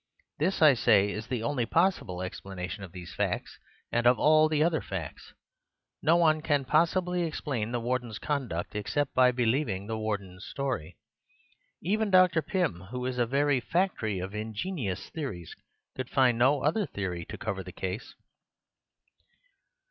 This, I say, is the only possible explanation of these facts and of all the other facts. No one can possibly explain the Warden's conduct except by believing the Warden's story. Even Dr. Pym, who is a very factory of ingenious theories, could find no other theory to cover the case."